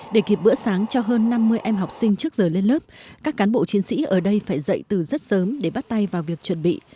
để kịp bữa sáng cho hơn năm mươi em học sinh trước giờ lên lớp các cán bộ chiến sĩ ở đây phải dậy từ rất sớm để bắt tay vào việc chuẩn bị